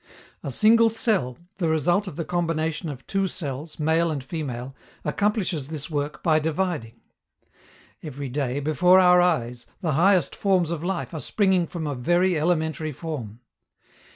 A single cell, the result of the combination of two cells, male and female, accomplishes this work by dividing. Every day, before our eyes, the highest forms of life are springing from a very elementary form.